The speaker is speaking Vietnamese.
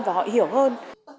và họ hiểu hơn